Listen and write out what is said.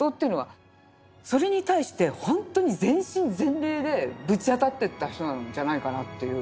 それに対してほんとに全身全霊でぶちあたってった人なんじゃないかなという。